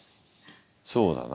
そうだな。